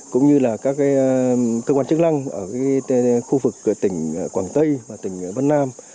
cũng như là các cơ quan chức năng ở khu vực tỉnh quảng tây và tỉnh vân nam